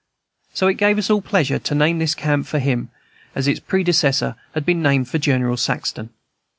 So it gave us all pleasure to name this camp for him, as its predecessor had been named for General Saxton.